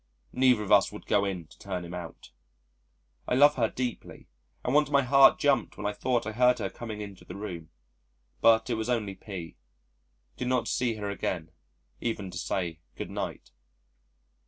Neither of us would go in to turn him out. I love her deeply and once my heart jumped when I thought I heard her coming into the room. But it was only P . Did not see her again even to say "Good night."